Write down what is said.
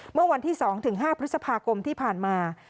เมื่อวันที่๒๕พฤษภาคมที่ผ่านมา